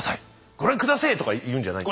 「ご覧下せえ」とか言うんじゃないの？